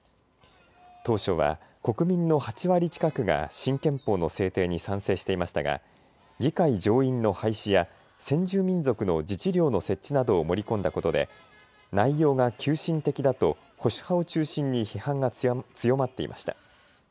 当初は国民の８割近くが新憲法の制定に賛成していましたが議会上院の廃止や先住民族の自治領の設置などを盛り込んだことで内容が急進的だと保守派を中心に批判が強まっていました。